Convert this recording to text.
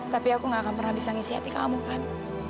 tapi aku gak akan pernah bisa ngisi hati kamu kan